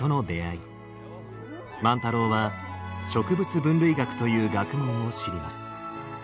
万太郎は植物分類学という学問を知ります。